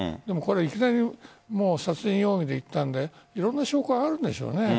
いきなり殺人容疑でいったのでいろんな証拠があるんでしょうね。